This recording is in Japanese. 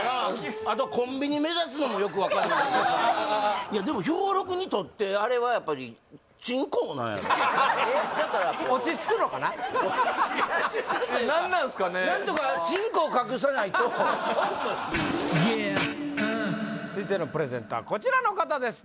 あとコンビニ目指すのもよく分かんないいやでもひょうろくにとってあれはやっぱりチンコなんやろ何なんすかね何とかチンコを隠さないと続いてのプレゼンターこちらの方です